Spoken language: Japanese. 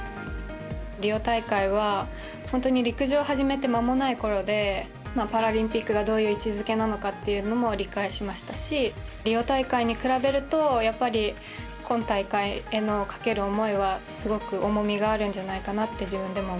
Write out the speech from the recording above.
リオ大会は本当に陸上始めてまもないころでパラリンピックがどういう位置づけなのかっていうのも理解しましたしリオ大会に比べるとやっぱり今大会へのかける思いはすごく重みがあるんじゃないかと自分でも思います。